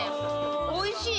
おいしい。